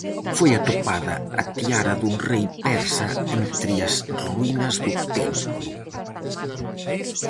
Foi atopada a tiara dun rei persa entre as ruínas do templo.